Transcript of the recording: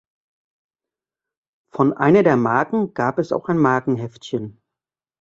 Von einer der Marken gab es auch ein Markenheftchen.